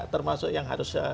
termasuk yang harus